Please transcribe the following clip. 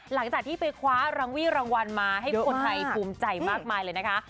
หลังจากที่ไปคว้ารังวี่รางวัลมาให้คนไทยภูมิใจมากมายเลยนะคะ